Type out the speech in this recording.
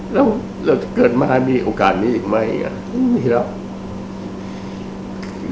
เดิมเกิดมาแต่มีโอกาสอีกยังไหมไม่หรือ